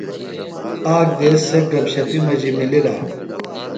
آک دیس سےۡ گپ شپیۡ مجیۡ مِلِلہ ۔